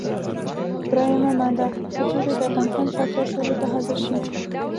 دریمه ماده: که چېرې د افغانستان پاچا سولې ته حاضر شي.